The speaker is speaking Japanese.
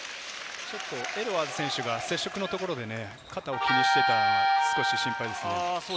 エドワーズ選手は接触のところで肩を気にしていたので心配です。